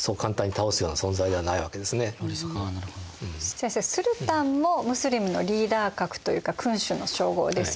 先生スルタンもムスリムのリーダー格というか君主の称号ですよね。